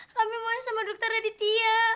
kami mau sama dr aditya